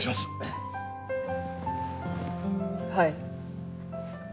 はい。